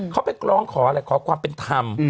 เขาไปร้องขออะไรขอความเป็นธรรม